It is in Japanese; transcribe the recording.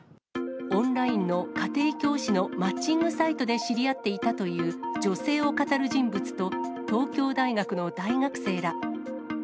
オンラインの家庭教師のマッチングサイトで知り合っていたという女性をかたる人物と、東京大学の大学生ら。